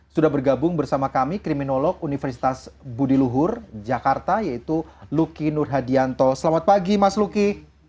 sudah bergabung bersama kami kriminolog universitas budiluhur jakarta yaitu luki nurhadianto selamat pagi mas luki